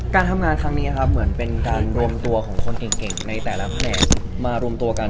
การทำงานครั้งนี้ครับเหมือนเป็นการรวมตัวของคนเก่งในแต่ละแผนกมารวมตัวกัน